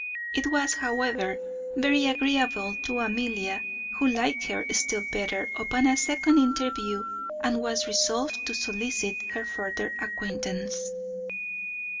It was, however, very agreeable to Amelia, who liked her still better upon a second interview, and was resolved to solicit her further acquaintance.